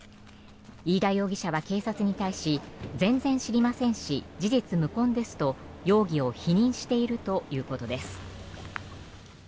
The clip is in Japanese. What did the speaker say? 飯田容疑者は、警察に対し全然知りませんし事実無根ですと容疑を否認しているということです。